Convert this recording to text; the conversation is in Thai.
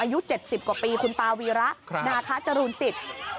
อายุ๗๐กว่าปีคุณตาวีระนาคาจรูนสิทธิ์